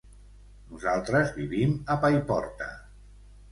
Nosaltres vivim a Paiporta.